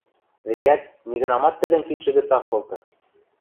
векӓт, нигынамат тӹдӹм кидшӹ гӹц ак колты.